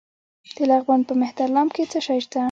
د لغمان په مهترلام کې څه شی شته؟